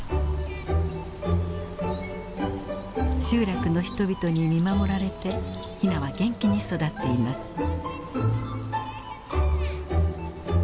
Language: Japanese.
集落の人々に見守られてヒナは元気に育っています。